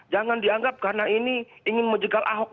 jangan dianggap karena ini ingin menjegal ahok